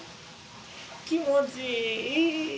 気持ちいい！